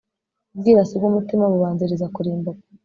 ubwirasi bw'umutima bubanziriza kurimbuka